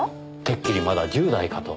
てっきりまだ１０代かと。